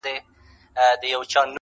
د سترگو هره ائينه کي مي جلا ياري ده~